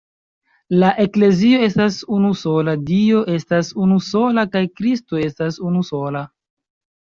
La Eklezio estas unusola, Dio estas unusola kaj Kristo estas unusola.